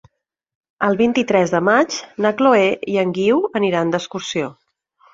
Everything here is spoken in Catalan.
El vint-i-tres de maig na Chloé i en Guiu aniran d'excursió.